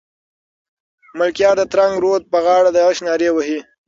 ملکیار د ترنګ رود په غاړه د عشق نارې وهي.